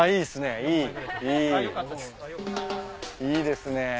いいですね。